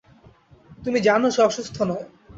তুমি জানো সে অসুস্থ নয়।